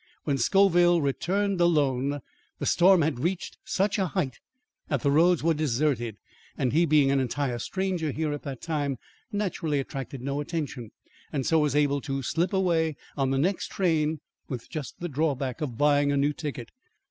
When Scoville returned alone, the storm had reached such a height that the roads were deserted, and he, being an entire stranger here at that time, naturally attracted no attention, and so was able to slip away on the next train with just the drawback of buying a new ticket.